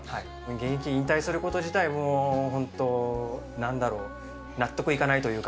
現役引退すること自体、もう本当、なんだろう、納得いかないというか。